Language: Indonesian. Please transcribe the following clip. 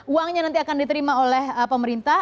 uangnya nanti akan diterima oleh pemerintah